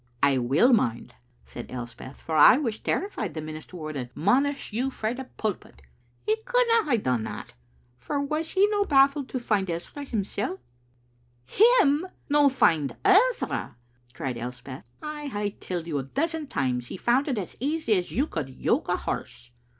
"I will mind," Elspeth said, "for I was terrified the minister would admonish you frae the pulpit. "" He couldna hae done that, for was he no baffled to find Ezra himsel'?" "Him no find Ezra!" cried Elspeth. "I hae telled you a dozen times he found it as easy as you could yoke a horse."